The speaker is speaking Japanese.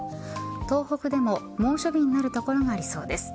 東北でも猛暑日になる所がありそうです。